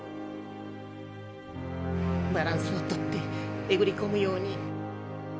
バランスをとってえぐりこむように。